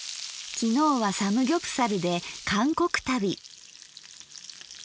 きのうはサムギョプサルで韓国旅。